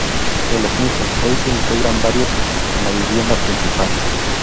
De los mismos, hoy se integran varios en la vivienda principal.